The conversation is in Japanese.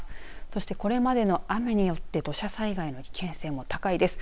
そして、これまでの雨によって土砂災害の危険性も高いです。